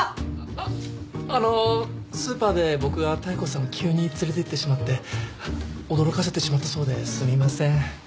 あっあのスーパーで僕が妙子さんを急に連れていってしまって驚かせてしまったそうですみません。